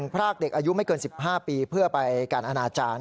พรากเด็กอายุไม่เกิน๑๕ปีเพื่อไปการอนาจารย์